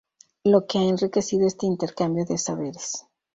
lo que ha enriquecido este intercambio de saberes.